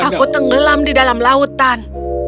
aku tenggelam di dalam lautan